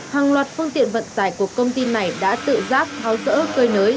hàng loạt phương tiện vận tải của công ty này đã tự giáp tháo dỡ cơi nới